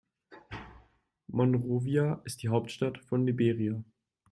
Monrovia ist die Hauptstadt von Liberia.